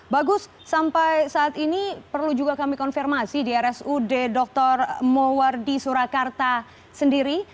bagus sampai saat ini perlu juga kami konfirmasi di rsud dr mowardi surakarta sendiri